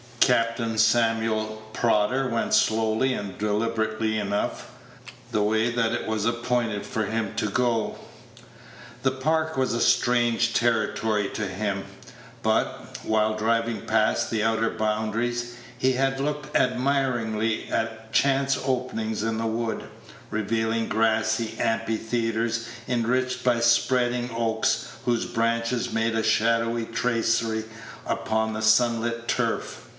Captain Samuel Prodder went slowly and deliberately enough the way that it was appointed for him to go. The Park was a strange territory to him; but, while driving past the outer boundaries, he had looked admiringly at chance openings in the wood, revealing grassy amphitheatres enriched by spreading oaks, whose branches made a shadowy tracery upon the sunlit turf.